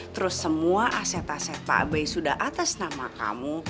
terus semua aset aset pak b sudah atas nama kamu